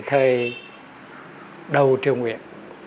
từ thời đầu triều nguyệt